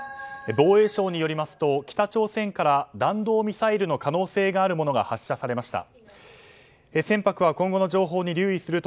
防衛省によりますと北朝鮮から弾道ミサイルの可能性があるものが発生されました。